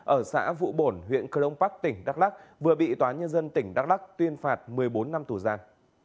ở xã vụ bổn huyện cơ đông bắc tỉnh đắk lắc vừa bị tòa nhân dân tỉnh đắk lắc tuyên phạt một mươi bốn năm tù gian